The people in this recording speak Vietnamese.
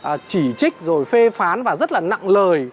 càng mang cái tính chất là chỉ trích rồi phê phán và rất là nặng lời